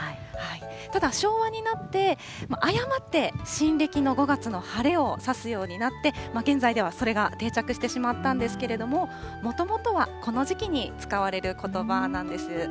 ただ、昭和になって、誤って新暦の５月の晴れを指すようになって、現在ではそれが定着してしまったんですけれども、もともとはこの時期に使われることばなんです。